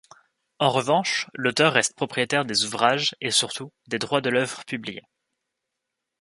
En revanche, l'auteur reste propriétaire des ouvrages et, surtout, des droits de l'œuvre publiée.